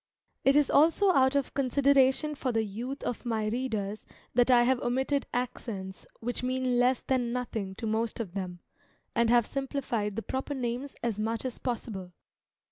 It is also out of consideration for the youth of my readers that I have omitted accents which mean less than nothing to most ^o t^em, and have simplified the proper names as much as possible.